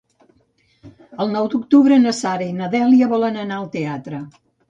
El nou d'octubre na Sara i na Dèlia volen anar al teatre.